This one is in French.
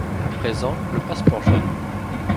À présent, le passe-port jaune!